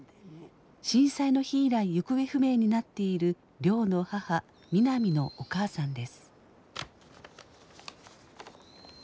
震災の日以来行方不明になっている亮の母美波のお母さんです。